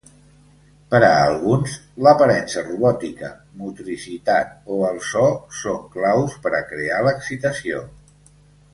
Per a alguns, l'aparença robòtica, motricitat o el so, són claus per a crear l'excitació.